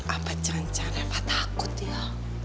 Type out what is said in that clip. apa jantan reva takut ya